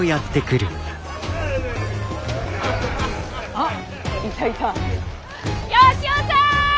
あっいたいた吉雄さん！